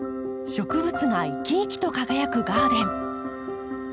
植物が生き生きと輝くガーデン。